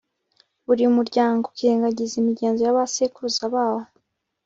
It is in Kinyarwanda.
buri muryango ukirengagiza imigenzo y'abasekuruza bawo